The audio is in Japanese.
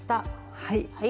はい。